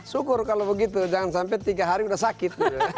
syukur kalau begitu jangan sampai tiga hari sudah sakit